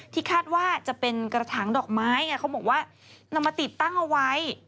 คาดว่าจะเป็นกระถางดอกไม้ไงเขาบอกว่านำมาติดตั้งเอาไว้